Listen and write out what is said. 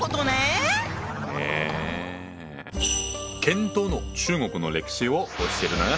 「検討」の中国の歴史を教えるな。